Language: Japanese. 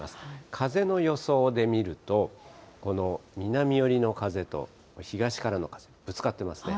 風の予想で見ると、この南寄りの風と東からの風、ぶつかってますね。